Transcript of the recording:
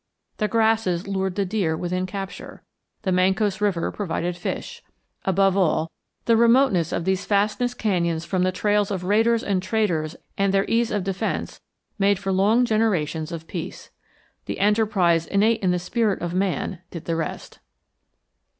The grasses lured the deer within capture. The Mancos River provided fish. Above all, the remoteness of these fastness canyons from the trails of raiders and traders and their ease of defense made for long generations of peace. The enterprise innate in the spirit of man did the rest.